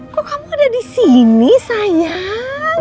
kok kamu ada di sini sayang